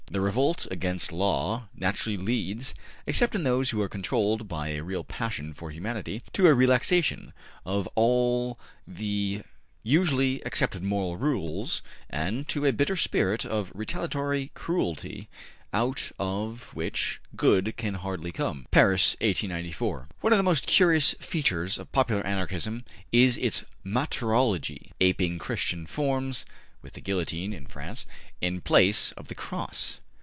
The revolt against law naturally leads, except in those who are controlled by a real passion for humanity, to a relaxation of all the usually accepted moral rules, and to a bitter spirit of retaliatory cruelty out of which good can hardly come. Paris, 1894. One of the most curious features of popular Anarchism is its martyrology, aping Christian forms, with the guillotine (in France) in place of the cross.